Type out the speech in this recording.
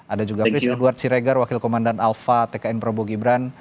ada juga fris edward siregar wakil komandan alpha tkn prabowo gibran